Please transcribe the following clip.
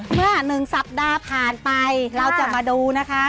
เมื่อ๑สัปดาห์ผ่านไปเราจะมาดูนะคะ